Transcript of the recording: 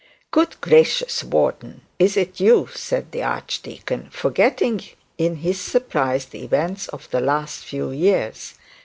'Good gracious, Warden, is it you?' said the archdeacon, forgetting in his surprise the events of the last few years.